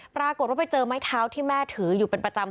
ปรากฏว่าไปเจอไม้เท้าที่แม่ถืออยู่เป็นประจำ